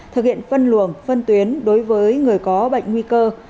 thực hiện phân luồng phân tuyến đối với người có bệnh nguy cơ